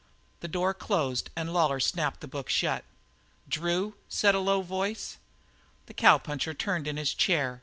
The door closed, and Lawlor snapped the book shut. "Drew!" said a low voice. The cowpuncher turned in his chair.